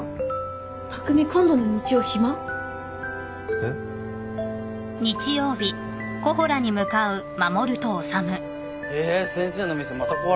えっ？え先生の店また壊れたんだ。